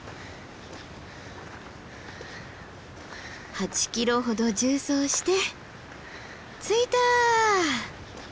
８ｋｍほど縦走して着いた。